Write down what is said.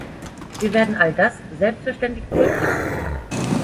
Wir werden all das selbstverständlich berücksichtigen.